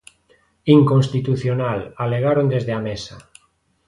Inconstitucional, alegaron desde a mesa.